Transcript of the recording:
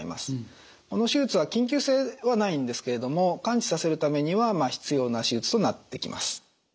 この手術は緊急性はないんですけれども完治させるためには必要な手術となってきます。